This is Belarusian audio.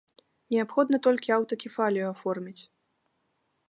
Неабходна толькі аўтакефалію аформіць.